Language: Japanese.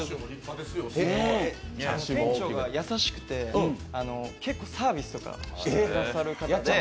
店長が優しくて結構、サービスとかしてくださる方で。